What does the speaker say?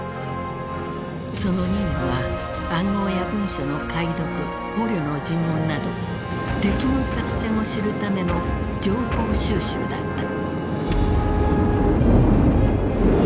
その任務は暗号や文書の解読捕虜の尋問など敵の作戦を知るための情報収集だった。